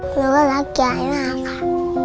หนูก็รักยายมากค่ะ